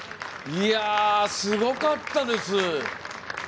すごかったです！